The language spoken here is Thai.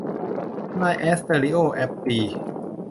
นายแอสเตอริโอ แอปปิ